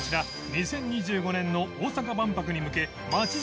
２０２５年の大阪万博に向け澗里